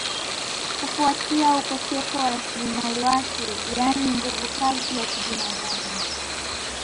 kufuatia ukosefu wa rasilimali watu yani nguvu kazi ya kibinadamu